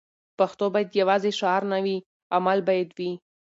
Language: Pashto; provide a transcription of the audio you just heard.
پښتو باید یوازې شعار نه وي؛ عمل باید وي.